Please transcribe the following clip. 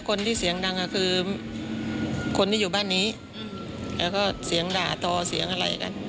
คนที่เสียงดังคือคนที่อยู่บ้านนี้แล้วก็เสียงด่าต่อเสียงอะไรกัน